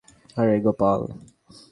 আরে, গোপাল!